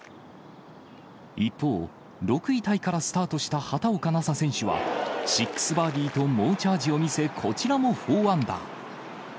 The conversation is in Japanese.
一方、６位タイからスタートした畑岡奈紗選手は、６バーディーと猛チャージを見せ、こちらも４アンダー。